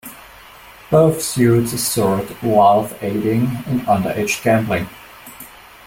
Both suits assert Valve aiding in underaged gambling.